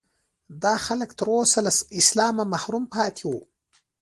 دا خلک تر اوسه له اسلامه محروم پاتې وو.